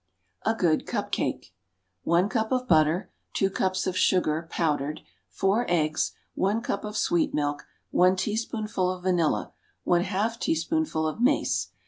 A Good Cup cake. One cup of butter. Two cups of sugar—powdered. Four eggs. One cup of sweet milk. One teaspoonful of vanilla. One half teaspoonful of mace.